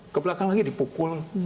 ke belakang lagi dipukul